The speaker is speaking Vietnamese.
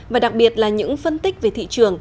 và đặc biệt là những phân tích về thị trường